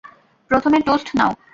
প্রথমে, টোস্ট নাও।